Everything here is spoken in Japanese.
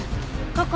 ここ。